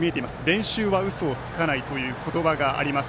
「練習はうそをつかない」という言葉があります。